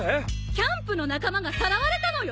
キャンプの仲間がさらわれたのよ！